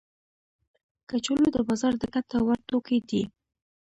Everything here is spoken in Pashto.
کچالو د بازار د ګټه ور توکي دي